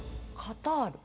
カタール。